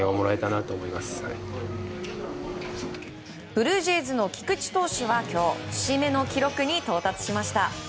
ブルージェイズの菊池投手は今日節目の記録に到達しました。